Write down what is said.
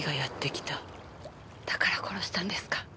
だから殺したんですか？